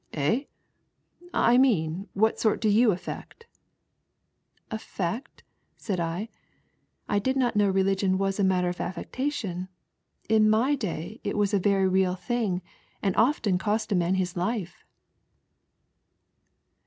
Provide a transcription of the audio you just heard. " Eh ? I mean what sort do yon affect ?"" Affect ?" said I, " I did not know religion was a matter of affectation. In iny day it was a Tery real thing, and often cost a man his life."